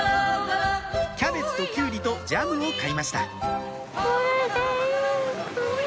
キャベツときゅうりとジャムを買いました